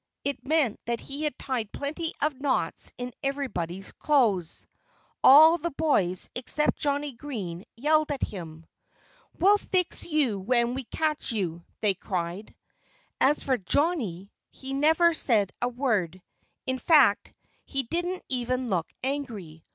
It meant that he had tied plenty of knots in everybody's clothes. All the boys except Johnnie Green yelled at him. "We'll fix you when we catch you!" they cried. As for Johnnie, he said never a word. In fact he didn't even look angry.